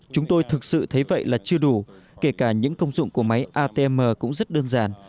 chúng tôi thực sự thấy vậy là chưa đủ kể cả những công dụng của máy atm cũng rất đơn giản